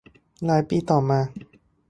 หลายปีต่อมา